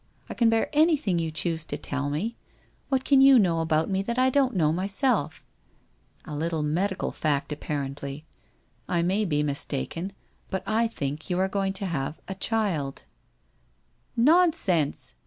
I can bear anything you choose to tell me. What can you know about me that I don't know myself ?'' A little medical fact, apparently. I may be mistaken, but I think you are going to have a child/ ' Xonsense